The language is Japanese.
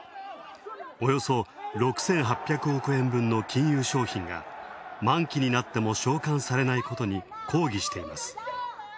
およそ６８００億円分の金融商品が満期になっても償還されないことに抗議しています。